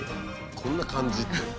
「こんな感じ」って。